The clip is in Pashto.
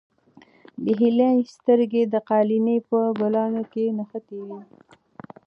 د هیلې سترګې د قالینې په ګلانو کې نښتې وې.